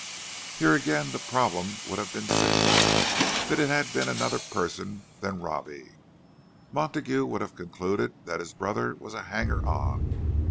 Here, again, the problem would have been simple, if it had been another person than Robbie; Montague would have concluded that his brother was a "hanger on."